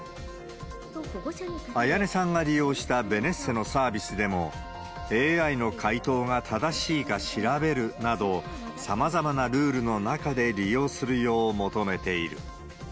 礼音さんが利用したベネッセのサービスでも、ＡＩの回答が正しいか調べるなど、さまざまなルールの中で利用するよう求めている。